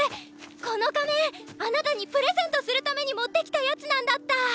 この仮面あなたにプレゼントするために持ってきたやつなんだった！